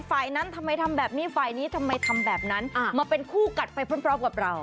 ฝ่ายนั้นทำไมทำแบบนี้ฝ่ายนี้ทำไมทำแบบนั้นมาเป็นคู่กัดไปพร้อมกับเรา